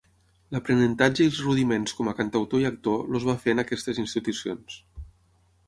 L'aprenentatge i els rudiments com a cantautor i actor els va fer en aquestes institucions.